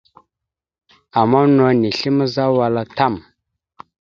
Ama no nislémazza wal a tam.